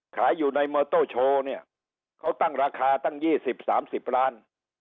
ขายอยู่ในเมอร์โต้โชว์เนี่ยเขาตั้งราคาตั้งยี่สิบสามสิบล้าน